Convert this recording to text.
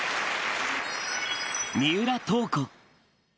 三浦透子。